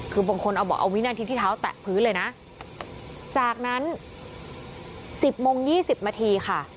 คือบางคนเอาบอกเอาวินาทีที่เท้าแตะพื้นเลยนะจากนั้น๑๐โมง๒๐นาทีค่ะ